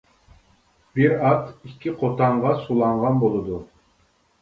بىر ئات ئىككى قوتانغا سۇلانغان بولىدۇ.